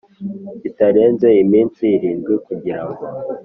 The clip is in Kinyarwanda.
kitarenze iminsi irindwi kugira ngo